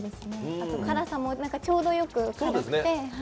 あと辛さもちょうどよく辛くて。